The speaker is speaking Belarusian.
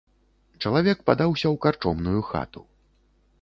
Чалавек падаўся ў карчомную хату.